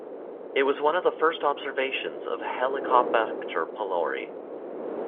It was one of the first observations of Helicobacter pylori.